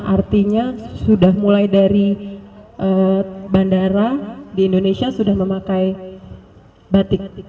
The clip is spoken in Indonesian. artinya sudah mulai dari bandara di indonesia sudah memakai batik